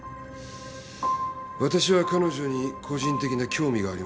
私は彼女に個人的な興味があります。